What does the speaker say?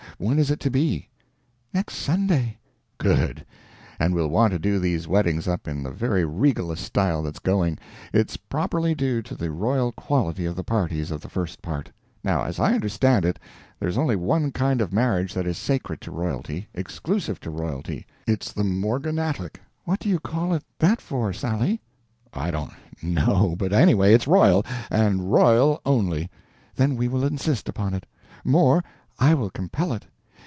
When is it to be?" "Next Sunday." "Good. And we'll want to do these weddings up in the very regalest style that's going. It's properly due to the royal quality of the parties of the first part. Now as I understand it, there is only one kind of marriage that is sacred to royalty, exclusive to royalty: it's the morganatic." "What do they call it that for, Sally?" "I don't know; but anyway it's royal, and royal only." "Then we will insist upon it. More I will compel it.